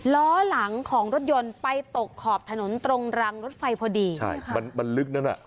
ล้อหลังของรถยนต์ไปตกขอบถนนตรงรางรถไฟพอดีใช่มันมันลึกนั้นอ่ะ